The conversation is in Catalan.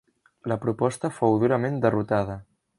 La proposta fou durament derrotada.